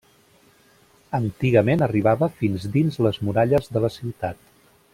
Antigament arribava fins dins les muralles de la ciutat.